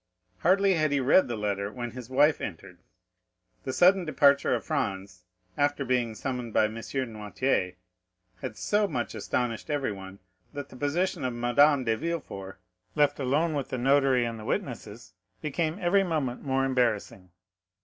Hardly had he read the letter, when his wife entered. The sudden departure of Franz, after being summoned by M. Noirtier, had so much astonished everyone, that the position of Madame de Villefort, left alone with the notary and the witnesses, became every moment more embarrassing.